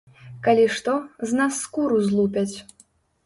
Калі што, з нас скуру злупяць.